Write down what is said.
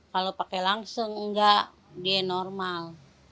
kalau pakai langseng enggak dia normal